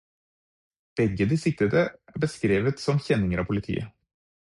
Begge de siktede er beskrevet som kjenninger av politiet.